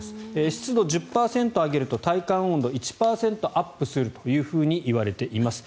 湿度１０％上げると体感温度１％アップするといわれています。